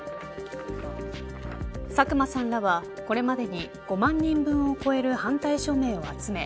佐久間さんらは、これまでに５万人分を超える反対署名を集め